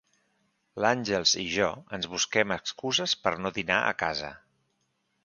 L'Àngels i jo ens busquem excuses per no dinar a casa.